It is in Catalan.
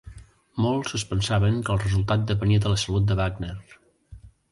Molts es pensaven que el resultat depenia de la salut de Wagner.